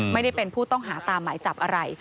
ไม่ได้เป็นผู้ต้องหาตามหมายจับอะไร